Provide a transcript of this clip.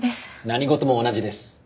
何事も同じです。